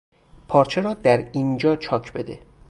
پارچه را در اینجا چاک بده.